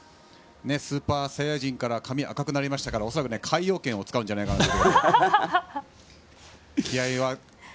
スーパーサイヤ人から髪が赤くなりましたから恐らく、界王拳を使うんじゃないかと。